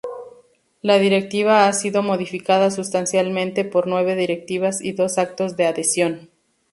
La Directiva ha sido modificada sustancialmente por nueve directivas y dos actos de adhesión.